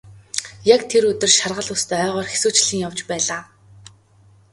Яг тэр өдөр шаргал үст ойгоор хэсүүчлэн явж байлаа.